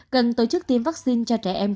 cần tổ chức tiêm vaccine cho trẻ em